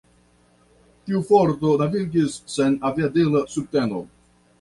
Tiu forto navigis sen aviadila subteno.